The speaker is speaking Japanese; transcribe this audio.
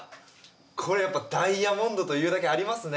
これはやっぱりダイヤモンドというだけありますね！